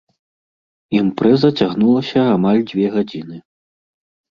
Імпрэза цягнулася амаль дзве гадзіны.